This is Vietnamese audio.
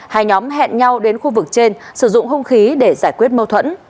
hai nhóm hẹn nhau đến khu vực trên sử dụng hung khí để giải quyết mâu thuẫn